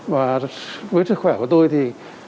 và với sức khỏe của tôi thì